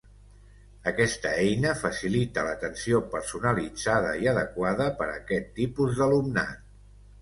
Aquesta eina facilita l’atenció personalitzada i adequada per a aquest tipus d'alumnat.